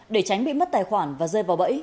để tránh bị mất tài khoản và rơi vào bẫy